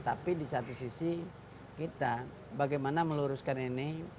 tapi di satu sisi kita bagaimana meluruskan ini